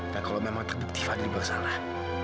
dan kalau memang terbukti fadil bersalah